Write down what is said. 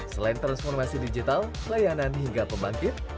selain transformasi digital layanan hingga pembangkit